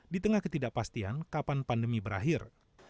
di tengah ketidakpastian kapan pandemi berakhir